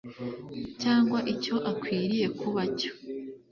cyangwa icyo akwiriye kuba cyo